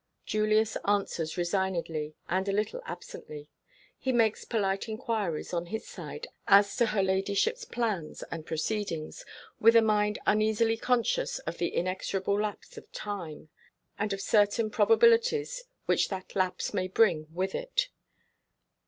Julius answers resignedly, and a little absently. He makes polite inquiries, on his side, as to her ladyship's plans and proceedings with a mind uneasily conscious of the inexorable lapse of time, and of certain probabilities which that lapse may bring with it.